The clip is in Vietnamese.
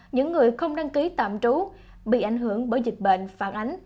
những người không đăng ký tạm trú bị ảnh hưởng bởi dịch bệnh phản ánh